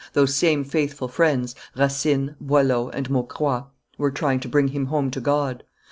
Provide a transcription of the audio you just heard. Those same faithful friends Racine, Boileau, and Maucroix were trying to bring him home to God.